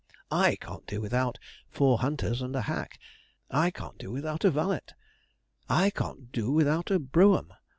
'I can't do without four hunters and a hack. I can't do without a valet. I can't do without a brougham.